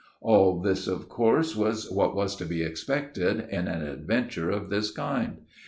All this of course was what was to be expected in an adventure of this kind.